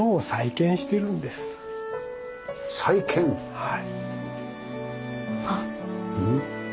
はい。